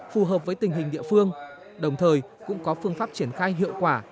phù hợp với tình hình địa phương đồng thời cũng có phương pháp triển khai hiệu quả